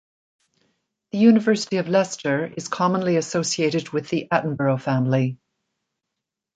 The University of Leicester is commonly associated with the Attenborough family.